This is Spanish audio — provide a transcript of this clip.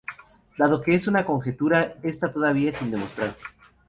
Dado que es una conjetura, está todavía sin demostrar.